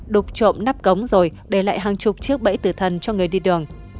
đục trộm nắp cống rồi để lại hàng chục chiếc bẫy tử thần cho người đi đường